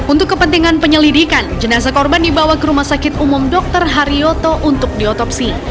untuk kepentingan penyelidikan jenazah korban dibawa ke rumah sakit umum dr haryoto untuk diotopsi